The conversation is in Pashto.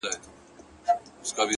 په دغه خپل وطن كي خپل ورورك!!